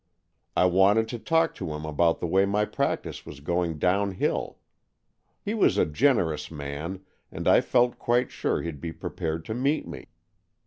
I wanted to talk to him about the way my practice was going down hill. He was a generous man, and I felt quite sure he'd be prepared to meet me.